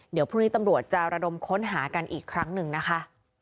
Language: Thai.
เดี๋ยวพรุ่งนี้ตำรวจจะระดมค้นหากันอีกครั้งหนึ่งนะคะ